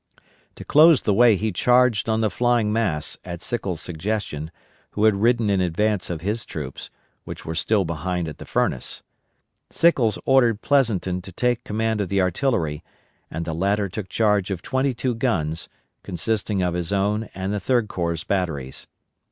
To close the way he charged on the flying mass, at Sickles' suggestion, who had ridden in advance of his troops, which were still behind at the Furnace. Sickles ordered Pleasonton to take command of the artillery, and the latter took charge of twenty two guns, consisting of his own and the Third Corps batteries.